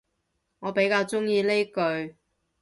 我比較鍾意呢句